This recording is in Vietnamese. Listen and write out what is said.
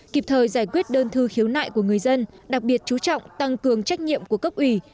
kịp thời giải quyết đơn thư khiếu nại của người dân đặc biệt chú trọng tăng cường trách nhiệm của cấp ủy